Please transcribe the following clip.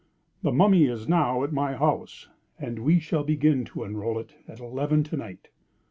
The Mummy is now at my house, and we shall begin to unroll it at eleven to night.